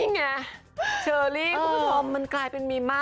นี่ไงเชอรี่คุณผู้ชมมันกลายเป็นมีม่า